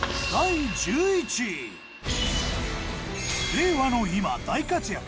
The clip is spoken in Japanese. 令和の今大活躍